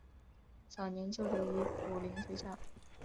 早年就读于武岭学校。